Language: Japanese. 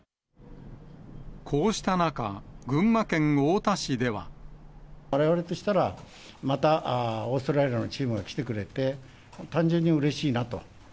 こうした中、われわれとしたら、またオーストラリアのチームが来てくれて、単純にうれしいなと。